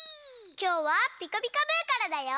きょうは「ピカピカブ！」からだよ。